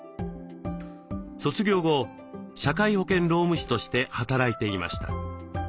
卒業後社会保険労務士として働いていました。